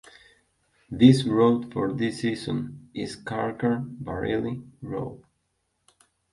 This Road for this section is Carcar–Barili Road.